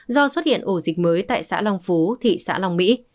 do xuất hiện ổ dịch mới tại xã long phú thị xã long mỹ